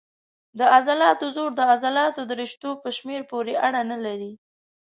د عضلاتو زور د عضلاتو د رشتو په شمېر پورې اړه نه لري.